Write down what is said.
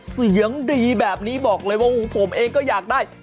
เสียงดีแบบนี้บอกเลยว่าผมเองก็อยากได้